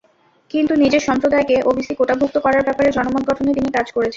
কিন্তু নিজের সম্প্রদায়কে ওবিসি কোটাভুক্ত করার ব্যাপারে জনমত গঠনে তিনি কাজ করেছেন।